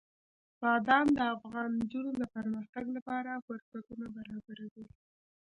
بادام د افغان نجونو د پرمختګ لپاره فرصتونه برابروي.